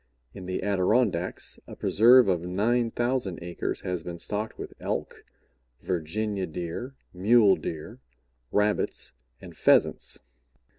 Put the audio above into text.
In the Adirondacks, a preserve of 9,000 acres has been stocked with Elk, Virginia Deer, Muledeer, Rabbits, and Pheasants.